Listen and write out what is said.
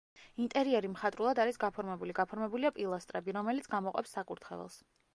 ინტერიერი მხატვრულად არის გაფორმებული, გაფორმებულია პილასტრები, რომელიც გამოყოფს საკურთხეველს.